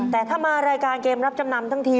แต่ถ้ามารายการเกมรับจำนำทั้งที